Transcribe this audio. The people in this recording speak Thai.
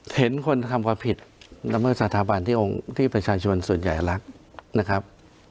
เห็นคนทำความผิดละเมิดสถาบันที่องค์ที่ประชาชนส่วนใหญ่รักนะครับ